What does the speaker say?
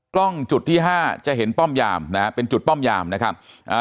กล้องจุดที่ห้าจะเห็นป้อมยามนะฮะเป็นจุดป้อมยามนะครับอ่า